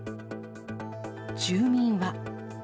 住民は。